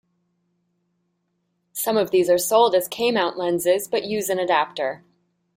Some of these are sold as K-mount lenses but use an adapter.